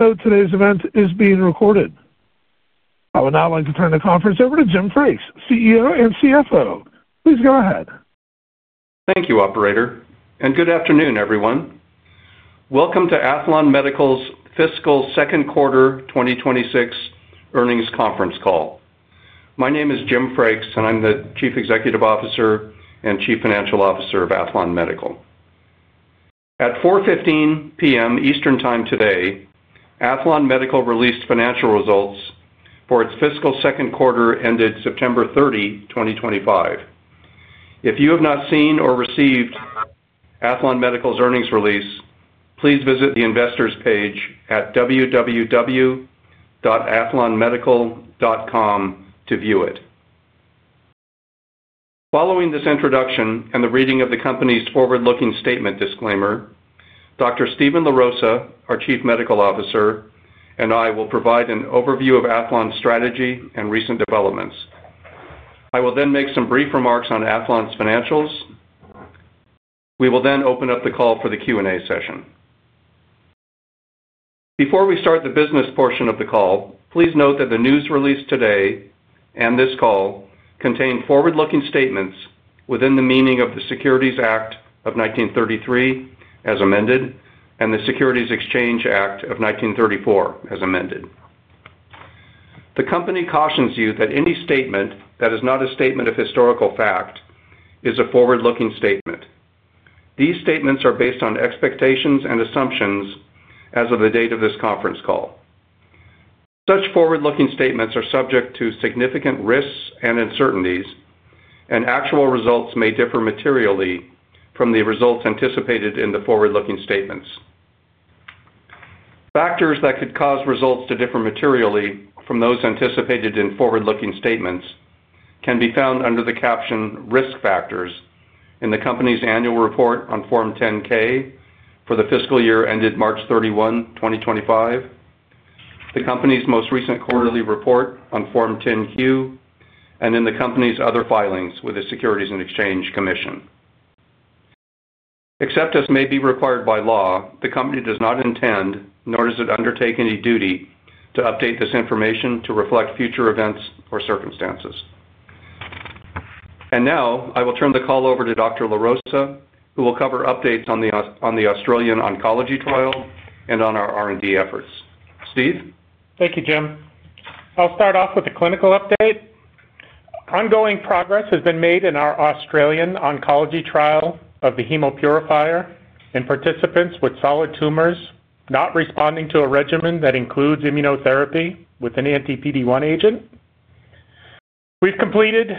Today's event is being recorded. I would now like to turn the conference over to Jim Frakes, CEO and CFO. Please go ahead. Thank you, Operator. Good afternoon, everyone. Welcome to Aethlon Medical's Fiscal Second Quarter 2026 Earnings Conference Call. My name is Jim Frakes, and I'm the Chief Executive Officer and Chief Financial Officer of Aethlon Medical. At 4:15 P.M. Eastern Time today, Aethlon Medical released financial results for its fiscal second quarter ended September 30, 2025. If you have not seen or received Aethlon Medical's earnings release, please visit the investors' page at www.aethlonmedical.com to view it. Following this introduction and the reading of the company's forward-looking statement disclaimer, Dr. Steven LaRosa, our Chief Medical Officer, and I will provide an overview of Aethlon's strategy and recent developments. I will then make some brief remarks on Aethlon's financials. We will then open up the call for the Q&A session. Before we start the business portion of the call, please note that the news released today and this call contain forward-looking statements within the meaning of the Securities Act of 1933, as amended, and the Securities Exchange Act of 1934, as amended. The company cautions you that any statement that is not a statement of historical fact is a forward-looking statement. These statements are based on expectations and assumptions as of the date of this conference call. Such forward-looking statements are subject to significant risks and uncertainties, and actual results may differ materially from the results anticipated in the forward-looking statements. Factors that could cause results to differ materially from those anticipated in forward-looking statements can be found under the caption "Risk Factors" in the company's annual report on Form 10-K for the fiscal year ended March 31, 2025, the company's most recent quarterly report on Form 10-Q, and in the company's other filings with the Securities and Exchange Commission. Except as may be required by law, the company does not intend, nor does it undertake any duty, to update this information to reflect future events or circumstances. I will turn the call over to Dr. Steven LaRosa, who will cover updates on the Australian oncology trial and on our R&D efforts. Steve? Thank you, Jim. I'll start off with a clinical update. Ongoing progress has been made in our Australian oncology trial of the Hemopurifier in participants with solid tumors not responding to a regimen that includes immunotherapy with an anti-PD-1 agent. We've completed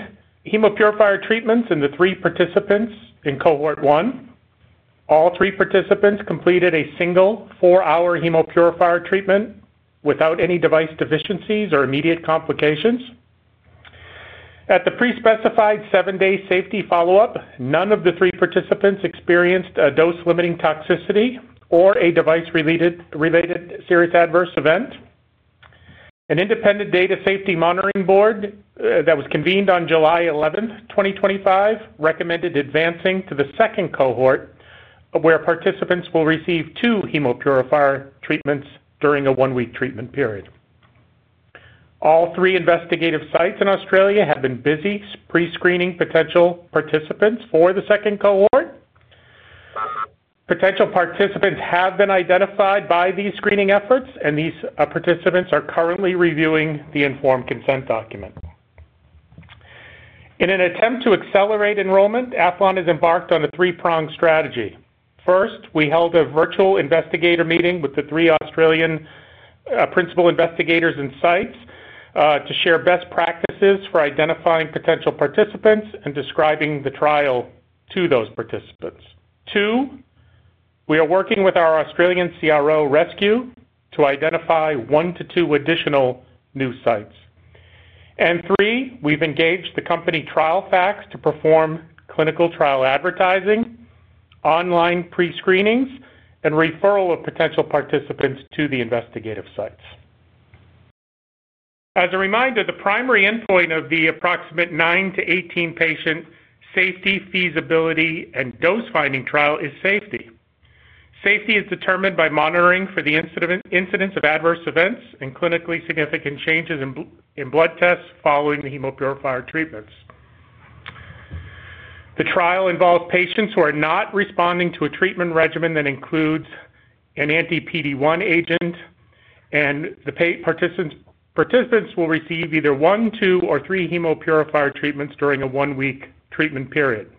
Hemopurifier treatments in the three participants in cohort one. All three participants completed a single four-hour Hemopurifier treatment without any device deficiencies or immediate complications. At the pre-specified seven-day safety follow-up, none of the three participants experienced a dose-limiting toxicity or a device-related serious adverse event. An independent data safety monitoring board that was convened on July 11th, 2025, recommended advancing to the second cohort where participants will receive two Hemopurifier treatments during a one-week treatment period. All three investigative sites in Australia have been busy pre-screening potential participants for the second cohort. Potential participants have been identified by these screening efforts, and these participants are currently reviewing the informed consent document. In an attempt to accelerate enrollment, Aethlon has embarked on a three-pronged strategy. First, we held a virtual investigator meeting with the three Australian principal investigators and sites to share best practices for identifying potential participants and describing the trial to those participants. Two, we are working with our Australian CRO, Rescue, to identify one to two additional new sites. Three, we've engaged the company Trialfacts to perform clinical trial advertising, online pre-screenings, and referral of potential participants to the investigative sites. As a reminder, the primary endpoint of the approximate 9-18 patient safety, feasibility, and dose-finding trial is safety. Safety is determined by monitoring for the incidence of adverse events and clinically significant changes in blood tests following the Hemopurifier treatments. The trial involves patients who are not responding to a treatment regimen that includes an anti-PD-1 agent, and the participants will receive either one, two, or three Hemopurifier treatments during a one-week treatment period.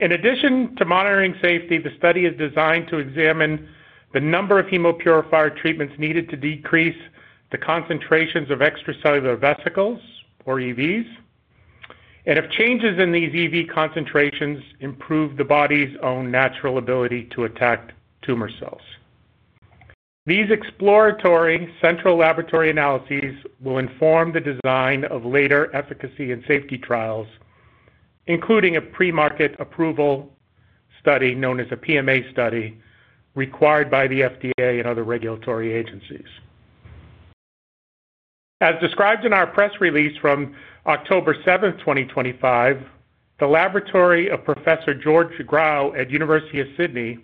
In addition to monitoring safety, the study is designed to examine the number of Hemopurifier treatments needed to decrease the concentrations of extracellular vesicles, or EVs, and if changes in these EV concentrations improve the body's own natural ability to attack tumor cells. These exploratory central laboratory analyses will inform the design of later efficacy and safety trials, including a pre-market approval study known as a PMA study required by the FDA and other regulatory agencies. As described in our press release from October 7th, 2025, the laboratory of Professor George Grow at the University of Sydney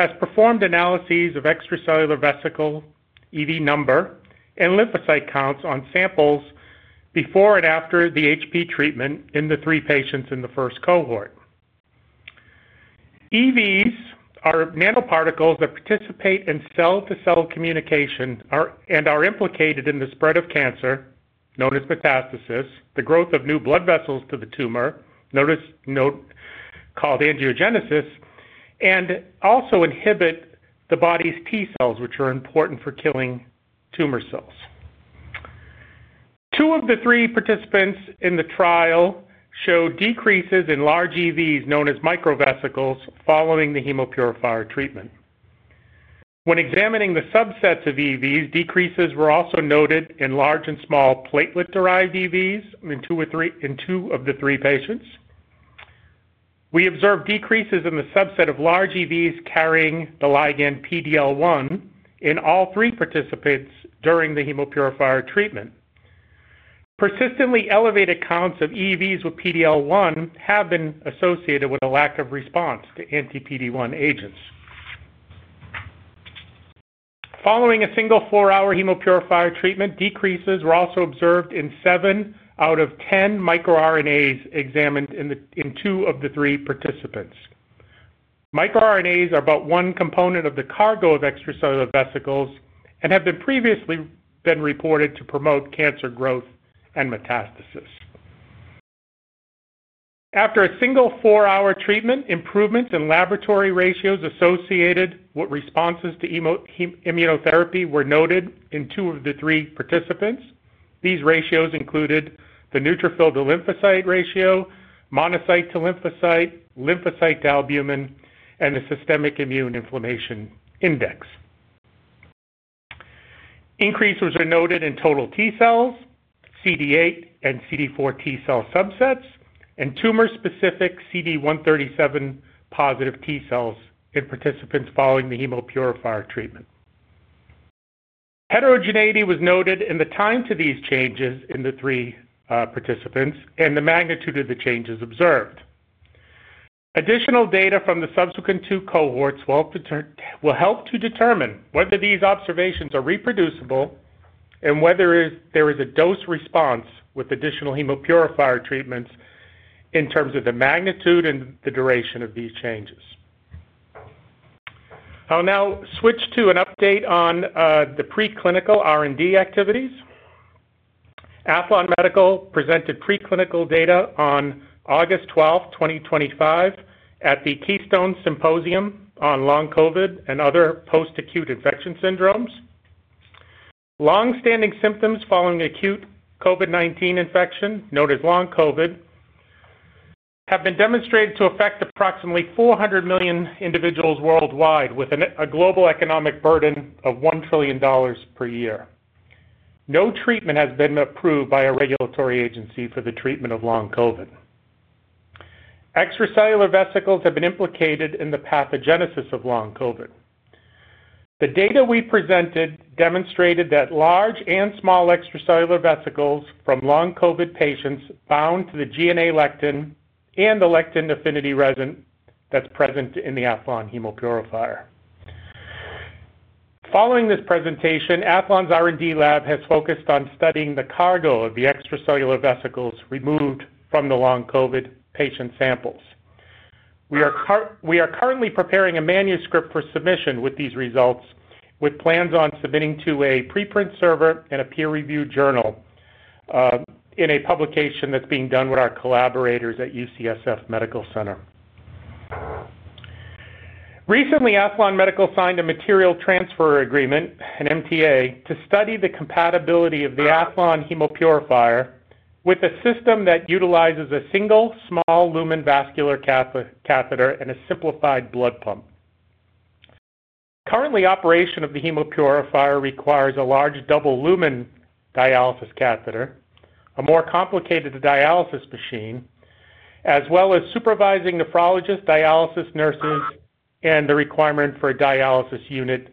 has performed analyses of extracellular vesicle EV number and lymphocyte counts on samples before and after the HP treatment in the three patients in the first cohort. EVs are nanoparticles that participate in cell-to-cell communication and are implicated in the spread of cancer, known as metastasis, the growth of new blood vessels to the tumor, known as angiogenesis, and also inhibit the body's T-cells, which are important for killing tumor cells. Two of the three participants in the trial showed decreases in large EVs known as microvesicles following the Hemopurifier treatment. When examining the subsets of EVs, decreases were also noted in large and small platelet-derived EVs in two of the three patients. We observed decreases in the subset of large EVs carrying the ligand PD-L1 in all three participants during the Hemopurifier treatment. Persistently elevated counts of EVs with PD-L1 have been associated with a lack of response to anti-PD-1 agents. Following a single four-hour Hemopurifier treatment, decreases were also observed in 7 out of 10 microRNAs examined in two of the three participants. MicroRNAs are about one component of the cargo of extracellular vesicles and have previously been reported to promote cancer growth and metastasis. After a single four-hour treatment, improvements in laboratory ratios associated with responses to immunotherapy were noted in two of the three participants. These ratios included the neutrophil-to-lymphocyte ratio, monocyte-to-lymphocyte, lymphocyte-to-albumin, and the systemic immune inflammation index. Increases were noted in total T-cells, CD8 and CD4 T-cell subsets, and tumor-specific CD137+ T-cells in participants following the Hemopurifier treatment. Heterogeneity was noted in the time to these changes in the three participants and the magnitude of the changes observed. Additional data from the subsequent two cohorts will help to determine whether these observations are reproducible and whether there is a dose response with additional Hemopurifier treatments in terms of the magnitude and the duration of these changes. I'll now switch to an update on the preclinical R&D activities. Aethlon Medical presented preclinical data on August 12th, 2025, at the Keystone Symposium on Long COVID and other post-acute infection syndromes. Long-standing symptoms following acute COVID-19 infection, known as Long COVID, have been demonstrated to affect approximately 400 million individuals worldwide, with a global economic burden of $1 trillion per year. No treatment has been approved by a regulatory agency for the treatment of Long COVID. Extracellular vesicles have been implicated in the pathogenesis of Long COVID. The data we presented demonstrated that large and small extracellular vesicles from Long COVID patients bound to the GNA lectin and the lectin affinity resin that's present in the Aethlon Hemopurifier. Following this presentation, Aethlon's R&D lab has focused on studying the cargo of the extracellular vesicles removed from the Long COVID patient samples. We are currently preparing a manuscript for submission with these results, with plans on submitting to a preprint server and a peer-reviewed journal in a publication that's being done with our collaborators at UCSF Medical Center. Recently, Aethlon Medical signed a material transfer agreement, an MTA, to study the compatibility of the Aethlon Hemopurifier with a system that utilizes a single small lumen vascular catheter and a simplified blood pump. Currently, operation of the Hemopurifier requires a large double lumen dialysis catheter, a more complicated dialysis machine, as well as supervising nephrologists, dialysis nurses, and the requirement for a dialysis unit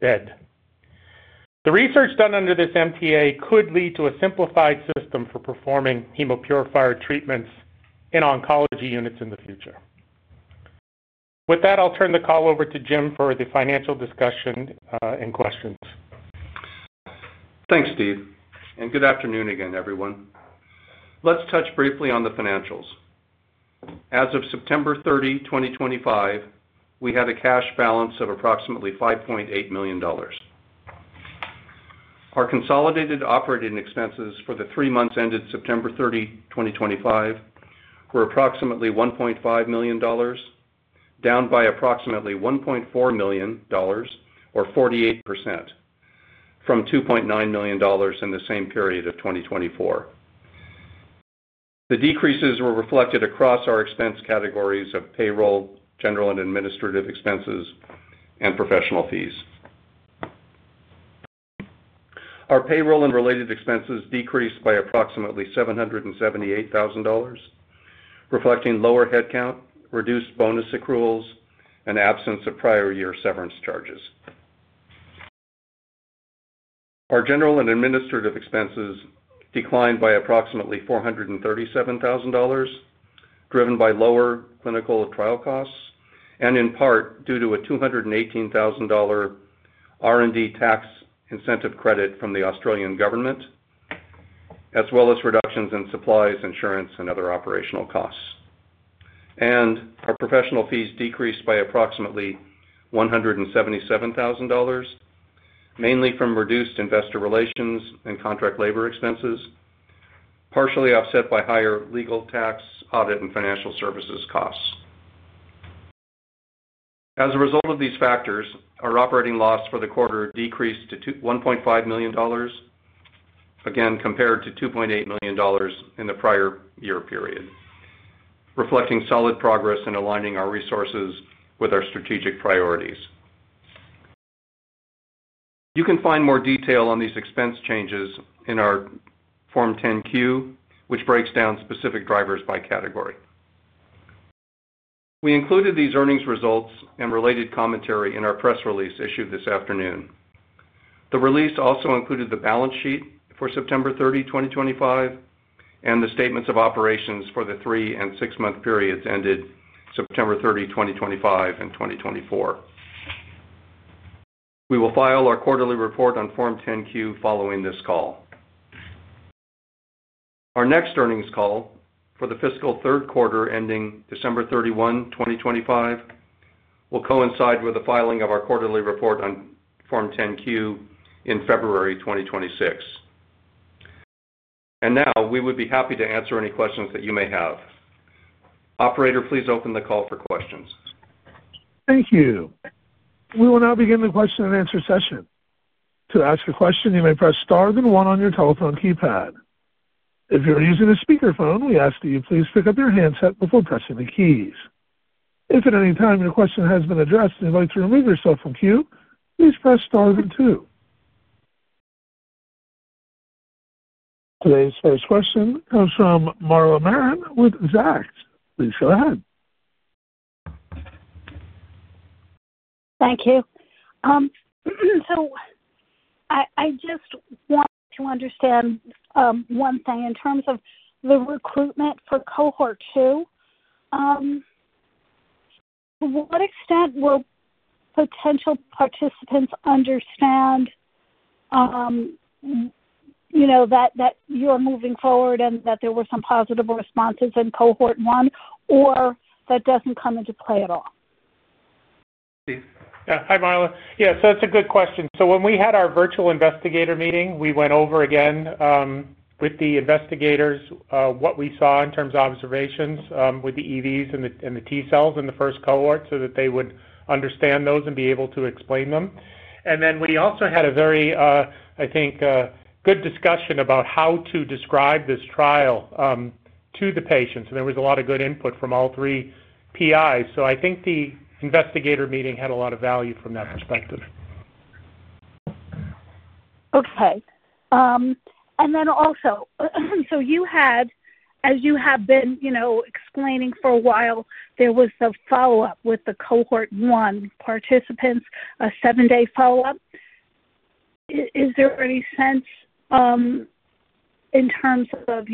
bed. The research done under this MTA could lead to a simplified system for performing Hemopurifier treatments in oncology units in the future. With that, I'll turn the call over to Jim for the financial discussion and questions. Thanks, Steve. Good afternoon again, everyone. Let's touch briefly on the financials. As of September 30, 2025, we had a cash balance of approximately $5.8 million. Our consolidated operating expenses for the three months ended September 30, 2025, were approximately $1.5 million, down by approximately $1.4 million, or 48%, from $2.9 million in the same period of 2024. The decreases were reflected across our expense categories of payroll, general and administrative expenses, and professional fees. Our payroll and related expenses decreased by approximately $778,000, reflecting lower headcount, reduced bonus accruals, and absence of prior year severance charges. Our general and administrative expenses declined by approximately $437,000, driven by lower clinical trial costs, and in part due to a $218,000 R&D tax incentive credit from the Australian government, as well as reductions in supplies, insurance, and other operational costs. Our professional fees decreased by approximately $177,000, mainly from reduced investor relations and contract labor expenses, partially offset by higher legal, tax, audit, and financial services costs. As a result of these factors, our operating loss for the quarter decreased to $1.5 million, again compared to $2.8 million in the prior year period, reflecting solid progress in aligning our resources with our strategic priorities. You can find more detail on these expense changes in our Form 10-Q, which breaks down specific drivers by category. We included these earnings results and related commentary in our press release issued this afternoon. The release also included the balance sheet for September 30, 2025, and the statements of operations for the three and six-month periods ended September 30, 2025, and 2024. We will file our quarterly report on Form 10-Q following this call. Our next earnings call for the fiscal third quarter ending December 31, 2025, will coincide with the filing of our quarterly report on Form 10-Q in February 2026. We would be happy to answer any questions that you may have. Operator, please open the call for questions. Thank you. We will now begin the question-and-answer session. To ask a question, you may press star then one on your telephone keypad. If you're using a speakerphone, we ask that you please pick up your handset before pressing the keys. If at any time your question has been addressed and you'd like to remove yourself from queue, please press star then two. Today's first question comes from Marla Marin with Zacks. Please go ahead. Thank you. I just want to understand one thing in terms of the recruitment for cohort two. To what extent will potential participants understand that you're moving forward and that there were some positive responses in cohort one, or that doesn't come into play at all? Yeah. Hi, Marla. Yeah. That's a good question. When we had our virtual investigator meeting, we went over again with the investigators what we saw in terms of observations with the EVs and the T-cells in the first cohort so that they would understand those and be able to explain them. We also had a very, I think, good discussion about how to describe this trial to the patients. There was a lot of good input from all three PIs. I think the investigator meeting had a lot of value from that perspective. Okay. Also, you had, as you have been explaining for a while, there was a follow-up with the cohort one participants, a seven-day follow-up. Is there any sense in terms of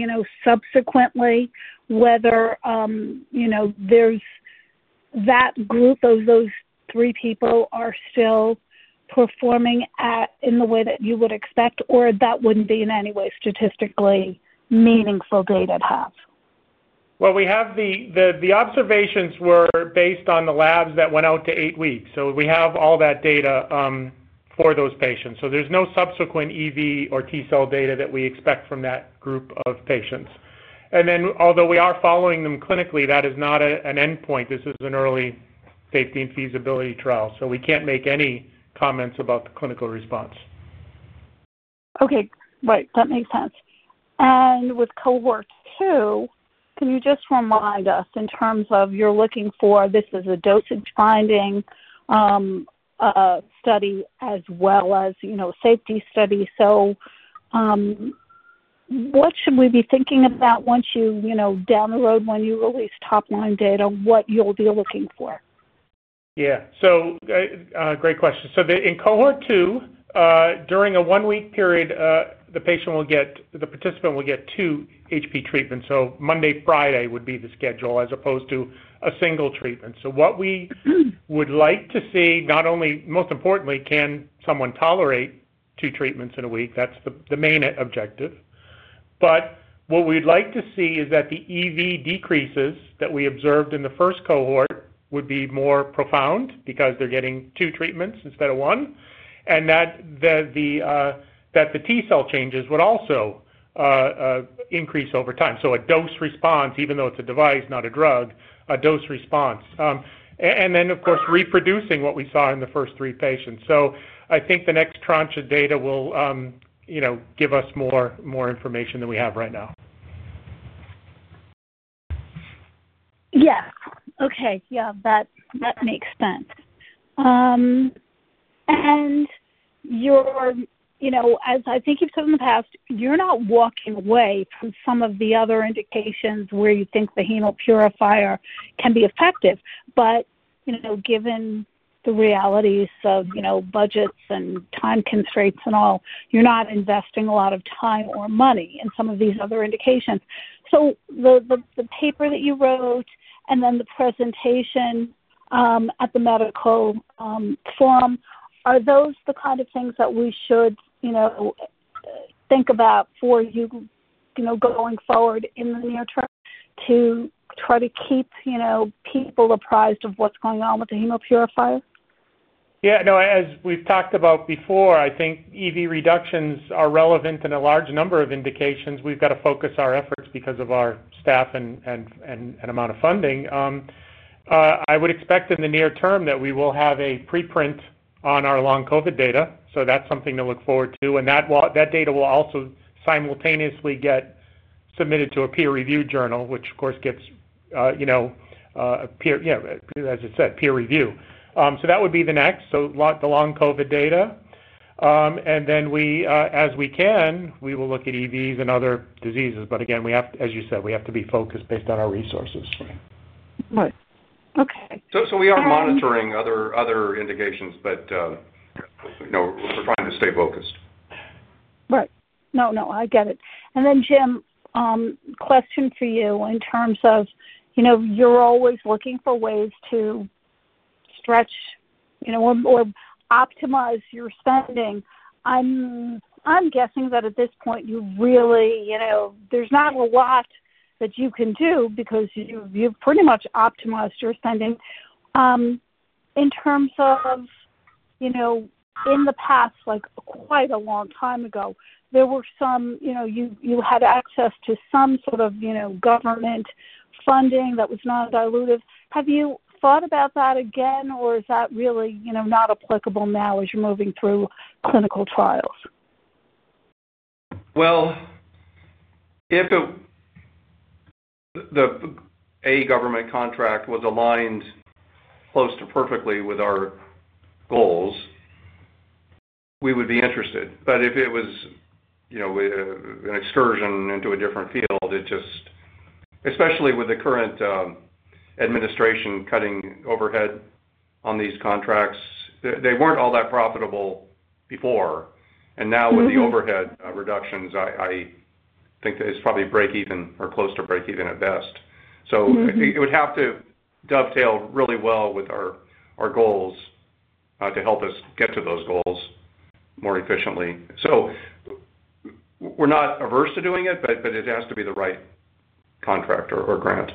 subsequently whether that group of those three people are still performing in the way that you would expect, or that would not be in any way statistically meaningful data to have? The observations were based on the labs that went out to eight weeks. We have all that data for those patients. There is no subsequent EV or T-cell data that we expect from that group of patients. Although we are following them clinically, that is not an endpoint. This is an early safety and feasibility trial. We can't make any comments about the clinical response. Okay. Right. That makes sense. With cohort two, can you just remind us in terms of you're looking for this as a dosage finding study as well as safety study? What should we be thinking about down the road when you release top-line data, what you'll be looking for? Yeah. Great question. In cohort two, during a one-week period, the participant will get two HP treatments. Monday, Friday would be the schedule as opposed to a single treatment. What we would like to see, not only most importantly, can someone tolerate two treatments in a week? That's the main objective. What we'd like to see is that the EV decreases that we observed in the first cohort would be more profound because they're getting two treatments instead of one, and that the T cell changes would also increase over time. A dose response, even though it's a device, not a drug, a dose response. Of course, reproducing what we saw in the first three patients. I think the next tranche of data will give us more information than we have right now. Yes. Okay. Yeah. That makes sense. As I think you've said in the past, you're not walking away from some of the other indications where you think the hemopurifier can be effective. Given the realities of budgets and time constraints and all, you're not investing a lot of time or money in some of these other indications. The paper that you wrote and then the presentation at the medical forum, are those the kind of things that we should think about for you going forward in the near term to try to keep people apprised of what's going on with the hemopurifier? Yeah. No, as we've talked about before, I think EV reductions are relevant in a large number of indications. We've got to focus our efforts because of our staff and amount of funding. I would expect in the near term that we will have a preprint on our Long COVID data. That is something to look forward to. That data will also simultaneously get submitted to a peer-reviewed journal, which, of course, gets a peer review. That would be the next. The Long COVID data. Then as we can, we will look at EVs in other diseases. Again, as you said, we have to be focused based on our resources. Right. Okay. We are monitoring other indications, but we're trying to stay focused. Right. No, no. I get it. Jim, question for you in terms of you're always looking for ways to stretch or optimize your spending. I'm guessing that at this point, there's not a lot that you can do because you've pretty much optimized your spending. In terms of in the past, quite a long time ago, you had access to some sort of government funding that was non-dilutive. Have you thought about that again, or is that really not applicable now as you're moving through clinical trials? If the government contract was aligned close to perfectly with our goals, we would be interested. If it was an excursion into a different field, especially with the current administration cutting overhead on these contracts, they were not all that profitable before. Now with the overhead reductions, I think it is probably break-even or close to break-even at best. It would have to dovetail really well with our goals to help us get to those goals more efficiently. We are not averse to doing it, but it has to be the right contract or grant.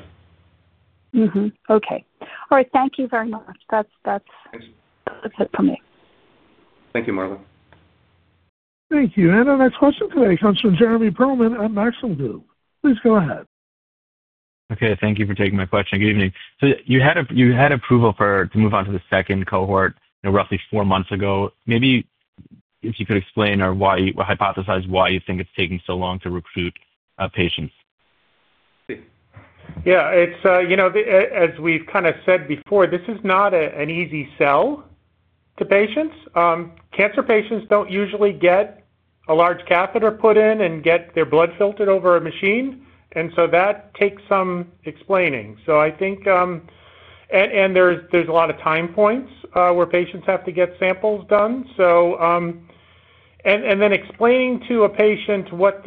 Okay. All right. Thank you very much. That's it for me. Thank you, Marla. Thank you. Our next question today comes from Jeremy Perlman at Maxim Group. Please go ahead. Okay. Thank you for taking my question. Good evening. You had approval to move on to the second cohort roughly four months ago. Maybe if you could explain or hypothesize why you think it's taking so long to recruit patients. Yeah. As we've kind of said before, this is not an easy sell to patients. Cancer patients don't usually get a large catheter put in and get their blood filtered over a machine. That takes some explaining. There are a lot of time points where patients have to get samples done. Explaining to a patient what,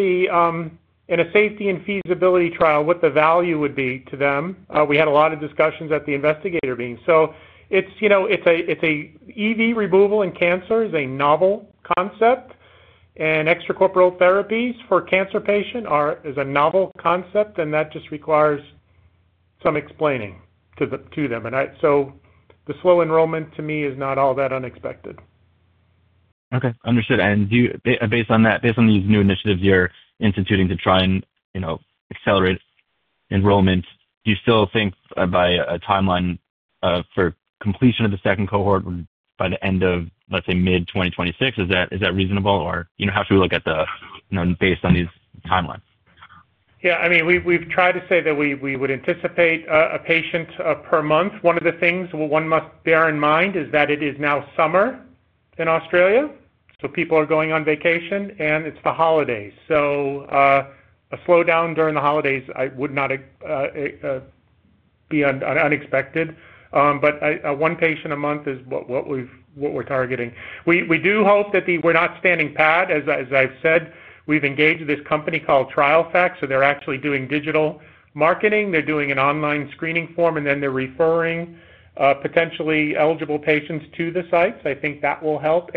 in a safety and feasibility trial, what the value would be to them. We had a lot of discussions at the investigator meeting. EV removal in cancer is a novel concept. Extracorporeal therapies for cancer patients is a novel concept, and that just requires some explaining to them. The slow enrollment, to me, is not all that unexpected. Okay. Understood. Based on these new initiatives you're instituting to try and accelerate enrollment, do you still think by a timeline for completion of the second cohort by the end of, let's say, mid-2026? Is that reasonable? How should we look at the based on these timelines? Yeah. I mean, we've tried to say that we would anticipate a patient per month. One of the things one must bear in mind is that it is now summer in Australia. People are going on vacation, and it's the holidays. A slowdown during the holidays would not be unexpected. One patient a month is what we're targeting. We do hope that we're not standing pat. As I've said, we've engaged this company called Trialfacts. They're actually doing digital marketing. They're doing an online screening form, and then they're referring potentially eligible patients to the sites. I think that will help.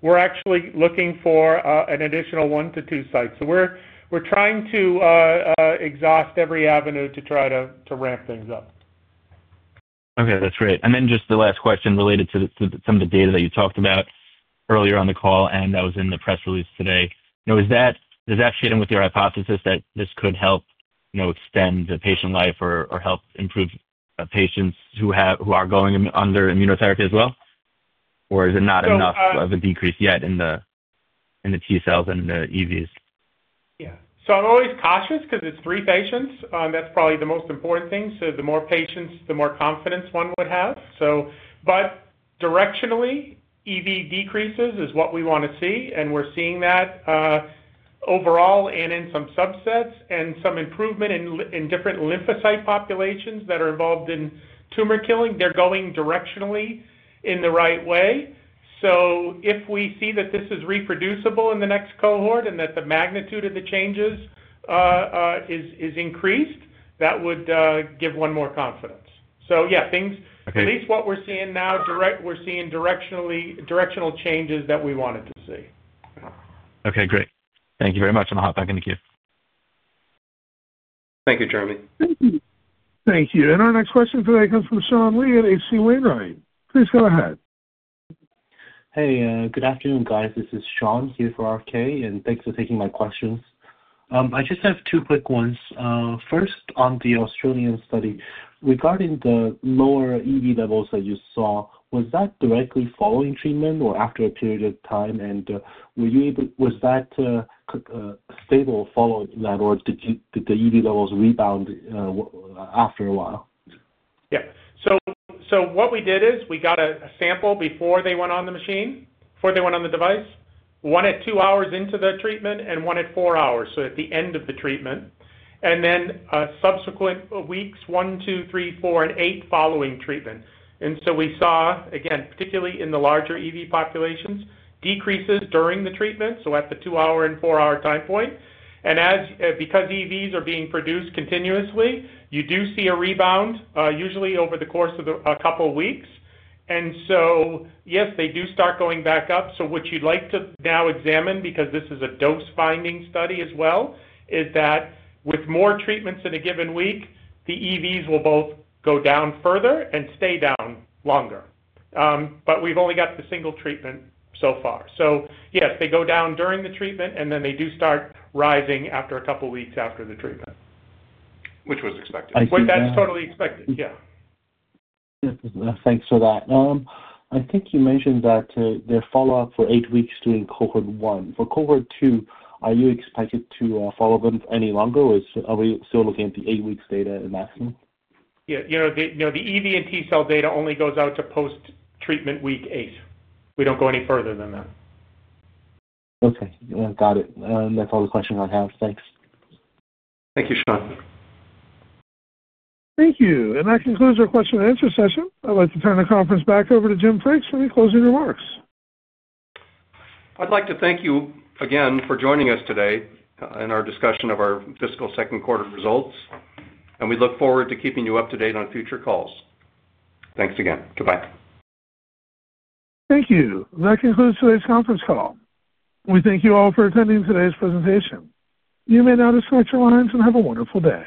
We're actually looking for an additional one to two sites. We're trying to exhaust every avenue to try to ramp things up. Okay. That's great. Just the last question related to some of the data that you talked about earlier on the call, and that was in the press release today. Does that fit in with your hypothesis that this could help extend the patient life or help improve patients who are going under immunotherapy as well? Or is it not enough of a decrease yet in the T cells and the EVs? Yeah. So I'm always cautious because it's three patients. That's probably the most important thing. The more patients, the more confidence one would have. Directionally, EV decreases is what we want to see. We're seeing that overall and in some subsets and some improvement in different lymphocyte populations that are involved in tumor killing. They're going directionally in the right way. If we see that this is reproducible in the next cohort and that the magnitude of the changes is increased, that would give one more confidence. Yeah, at least what we're seeing now, we're seeing directional changes that we wanted to see. Okay. Great. Thank you very much. I'm going to hop back into queue. Thank you, Jeremy. Thank you. Our next question today comes from Sean Lee at H.C. Wainwright. Please go ahead. Hey. Good afternoon, guys. This is Sean here for RFK, and thanks for taking my questions. I just have two quick ones. First, on the Australian study, regarding the lower EV levels that you saw, was that directly following treatment or after a period of time? Was that stable following that, or did the EV levels rebound after a while? Yeah. So what we did is we got a sample before they went on the machine, before they went on the device, one at two hours into the treatment and one at four hours, so at the end of the treatment, and then subsequent weeks, one, two, three, four, and eight following treatment. We saw, again, particularly in the larger EV populations, decreases during the treatment, so at the two-hour and four-hour time point. Because EVs are being produced continuously, you do see a rebound usually over the course of a couple of weeks. Yes, they do start going back up. What you'd like to now examine, because this is a dose-finding study as well, is that with more treatments in a given week, the EVs will both go down further and stay down longer. We've only got the single treatment so far. Yes, they go down during the treatment, and then they do start rising after a couple of weeks after the treatment, which was expected. That's totally expected. Yeah. Thanks for that. I think you mentioned that they're followed up for eight weeks during cohort one. For cohort two, are you expected to follow them any longer, or are we still looking at the eight-week data in Maxell? Yeah. The EV and T-cell data only goes out to post-treatment week eight. We don't go any further than that. Okay. Got it. That's all the questions I have. Thanks. Thank you, Sean. Thank you. That concludes our question-and-answer session. I'd like to turn the conference back over to Jim Frakes for the closing remarks. I'd like to thank you again for joining us today in our discussion of our fiscal second quarter results. We look forward to keeping you up to date on future calls. Thanks again. Goodbye. Thank you. That concludes today's conference call. We thank you all for attending today's presentation. You may now disconnect your lines and have a wonderful day.